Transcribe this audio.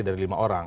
dari lima orang